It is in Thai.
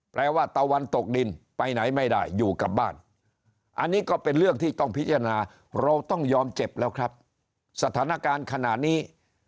แปลว่าตะวันตกดินไปไหนไม่ได้อยู่กับบ้านอันนี้ก็เป็นเรื่องที่ต้องพิจารณาเราต้องยอมเจ็บแล้วครับสถานการณ์ขณะนี้